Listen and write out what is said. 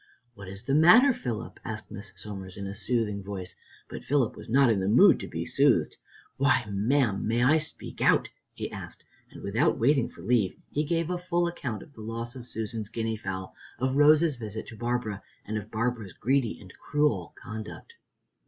"What is the matter, Philip?" asked Miss Somers in a soothing voice, but Philip was not in the mood to be soothed. "Why, ma'am, may I speak out?" he asked, and without waiting for leave he gave a full account of the loss of Susan's guinea fowl, of Rose's visit to Barbara, and of Barbara's greedy and cruel conduct.